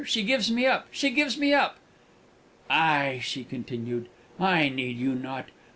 She gives me up! She gives me up!" "Aye," she continued, "I need you not.